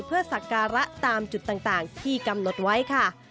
เพื่อสักการะตามจุดต่างที่กำหนดไว้ค่ะ